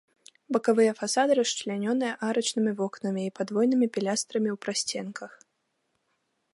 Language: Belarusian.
Бакавыя фасады расчлянёныя арачнымі вокнамі і падвойнымі пілястрамі ў прасценках.